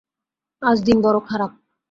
আজ দিন বড় খারাপ।